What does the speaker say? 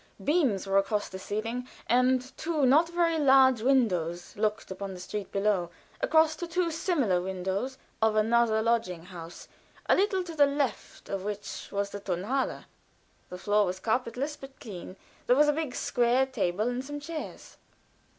Beams were across the ceiling, and two not very large windows looked upon the street below, across to two similar windows of another lodging house, a little to the left of which was the Tonhalle. The floor was carpetless, but clean; there was a big square table, and some chairs.